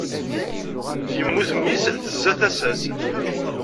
Yemmut mmi-s, tezza tasa-s.